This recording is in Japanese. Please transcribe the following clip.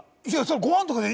ご飯とか。